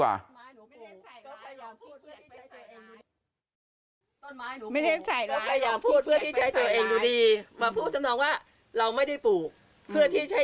สวัสดีคุณผู้ชายสวัสดีคุณผู้ชาย